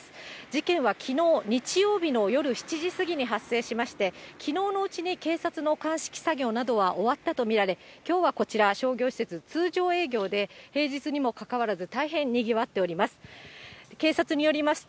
事件はきのう日曜日の夜７時過ぎに発生しまして、きのうのうちに警察の鑑識作業などは終わったと見られ、きょうはこちら、商業施設、通常営業で、平日にもかかわらず、大変にぎわっております。